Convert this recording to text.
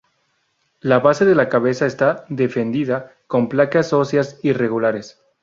La base de la cabeza está defendida con placas óseas irregulares.